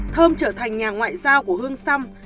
thơm trở thành nhà ngoại giao của hương xăm